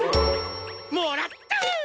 もらった！